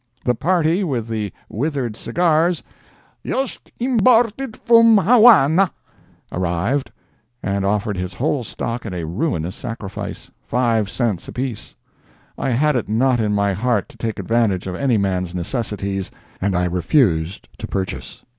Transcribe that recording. The party with the withered cigars, "yust imborted fun Hawanna," arrived, and offered his whole stock at a ruinous sacrifice—five cents a piece. I had it not in my heart to take advantage of any man's necessities, and I refused to purchase.